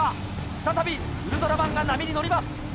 再びウルトラマンが波に乗ります。